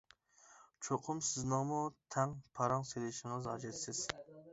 چوقۇم سىزنىڭمۇ تەڭ پاراڭ سېلىشىڭىز ھاجەتسىز.